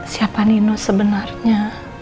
siapa nino sebenarnya